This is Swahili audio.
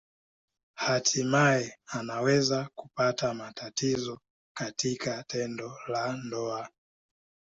Hatimaye anaweza kupata matatizo katika tendo la ndoa.